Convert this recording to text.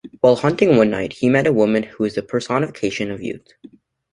While hunting one night he met a woman who was the personification of youth.